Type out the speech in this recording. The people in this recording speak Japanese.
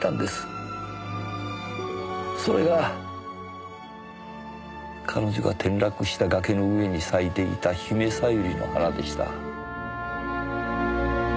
それが彼女が転落した崖の上に咲いていた姫小百合の花でした。